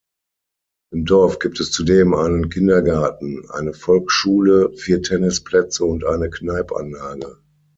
Im Dorf gibt es zudem einen Kindergarten, eine Volksschule, vier Tennisplätze und eine Kneippanlage.